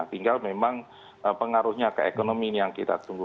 tinggal memang pengaruhnya ke ekonomi yang kita tunggu